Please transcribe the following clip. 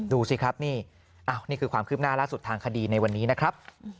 ดูสิครับนี่นี่คือความคืบหน้าล่าสุดทางคดีในวันนี้นะครับ